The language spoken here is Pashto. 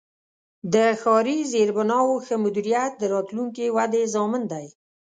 د ښاري زیربناوو ښه مدیریت د راتلونکې ودې ضامن دی.